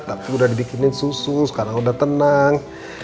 tapi udah dibikinin susu sekarang udah tenang